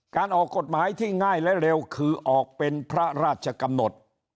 ออกกฎหมายที่ง่ายและเร็วคือออกเป็นพระราชกำหนด